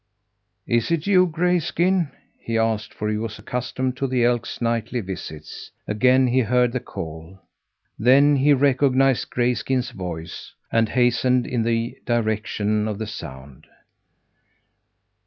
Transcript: "Is it you, Grayskin?" he asked, for he was accustomed to the elk's nightly visits. Again he heard the call; then he recognized Grayskin's voice, and hastened in the direction of the sound.